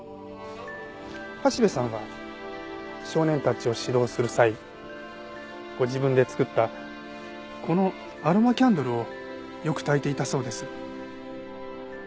橋部さんは少年たちを指導する際ご自分で作ったこのアロマキャンドルをよくたいていたそうです。